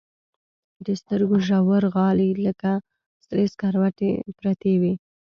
د سترګو ژورغالي لكه سرې سكروټې پرتې وي.